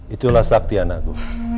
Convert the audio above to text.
itulah saktian aku